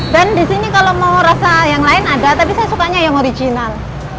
dan disini kalau mau rasa yang lain ada tapi saya sukanya yang original